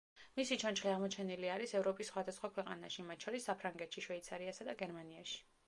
მისი ჩონჩხი აღმოჩენლი არის ევროპის სხვადასხვა ქვეყანაში, მათ შორის საფრანგეთში, შვეიცარიასა და გერმანიაში.